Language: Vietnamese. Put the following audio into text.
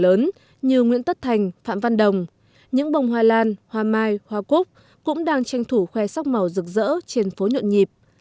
lớn như nguyễn tất thành phạm văn đồng những bông hoa lan hoa mai hoa cúc cũng đang tranh thủ khoe sắc màu rực rỡ trên phố nhuận nhịp